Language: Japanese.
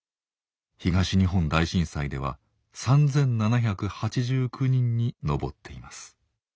東日本大震災では３，７８９人に上っています。